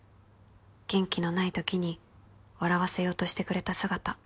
「元気のない時に笑わせようとしてくれた姿」